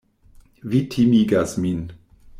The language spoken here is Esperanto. Vi timigas min.